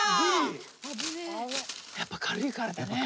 やっぱ軽いからだね。